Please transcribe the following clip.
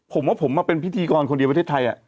ผมว่าผมมาเป็นพิธีกรคนเดียวประเทศไทย